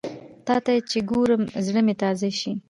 تاته چې ګورم، زړه مې تازه شي